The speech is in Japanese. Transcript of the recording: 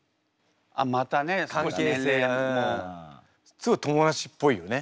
すごい友達っぽいよね。